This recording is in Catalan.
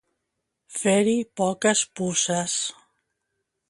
Fer-hi poques puces.